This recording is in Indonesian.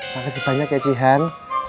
makasih banyak ya cihan